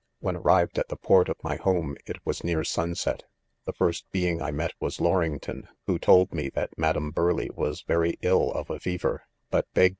When arrived at the port of my home, it was near sunset. The first" being I met was Lorington, who told me that Madame Burleigh was very ill of a fever ; but begged.